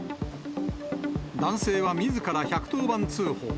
男性はみずから１１０番通報。